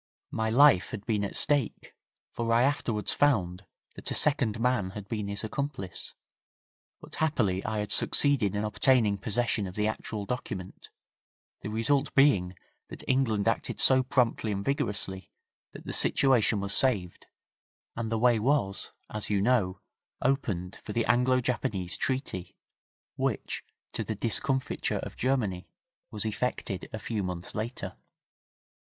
My life had been at stake, for I afterwards found that a second man had been his accomplice, but happily I had succeeded in obtaining possession of the actual document, the result being that England acted so promptly and vigorously that the situation was saved, and the way was, as you know, opened for the Anglo Japanese Treaty, which, to the discomfiture of Germany, was effected a few months later.